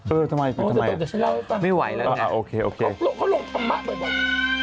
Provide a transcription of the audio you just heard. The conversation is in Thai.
นี่จะตกใจเหรอไม่ไหวแล้วนะอักโหลเขาลงธรรมะบ่อย